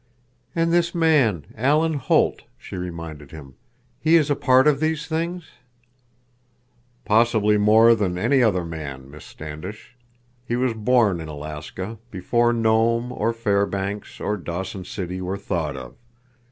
"And this man, Alan Holt," she reminded him. "He is a part of these things?" "Possibly more than any other man, Miss Standish. He was born in Alaska before Nome or Fairbanks or Dawson City were thought of.